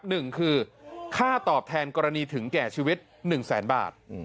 หนึ่งคือค่าตอบแทนกรณีถึงแก่ชีวิตหนึ่งแสนบาท